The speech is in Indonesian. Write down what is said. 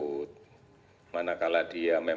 tentunya tidak semuanya harus dijemput